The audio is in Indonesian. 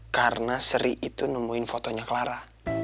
karena sri itu nemuin fotonya clara